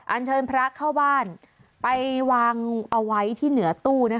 อันเชิญพระเข้าบ้านไปวางเอาไว้ที่เหนือตู้